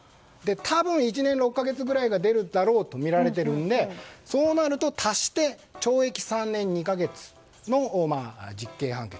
多分、１年６か月くらいが出るだろうとみられているのでそうなると、足して懲役３年２か月の実刑判決。